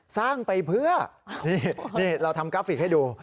สร้างไปเพื่อนี่เราทำกราฟิกให้ดู